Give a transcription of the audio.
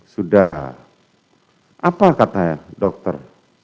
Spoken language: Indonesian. sudah apa kata dokter